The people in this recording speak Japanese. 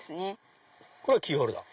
これはキーホルダー？